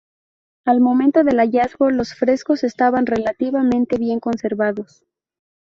Al momento del hallazgo, los frescos estaban relativamente bien conservados.